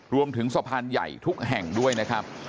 สะพานใหญ่ทุกแห่งด้วยนะครับ